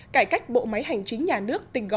cải cách bộ máy hành chính nhà nước tình gọn